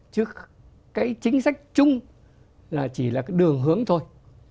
chứ cái chính sách chung là chỉ là cái đường hướng thôi